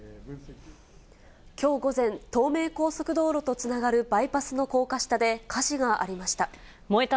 きょう午前、東名高速道路とつながるバイパスの高架下で火事がありました。